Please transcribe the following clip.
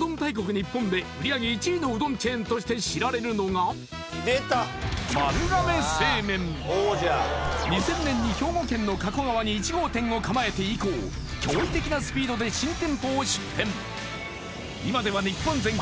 日本で売り上げ１位のうどんチェーンとして知られるのが２０００年に兵庫県の加古川に一号店を構えて以降驚異的なスピードで今では日本全国